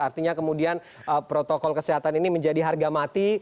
artinya kemudian protokol kesehatan ini menjadi harga mati